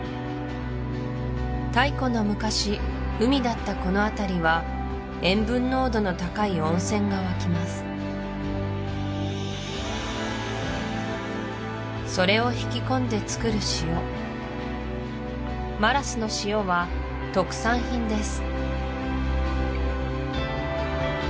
太古の昔海だったこの辺りは塩分濃度の高い温泉が湧きますそれを引き込んで作る塩「マラスの塩」は特産品です